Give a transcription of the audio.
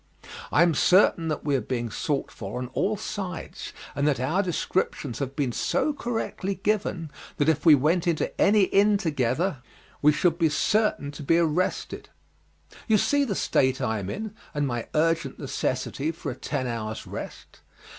I am certain that we are being sought for on all sides, and that our descriptions have been so correctly given that if we went into any inn together we should be certain to be arrested. You see the state I am in, and my urgent necessity for a ten hours' rest.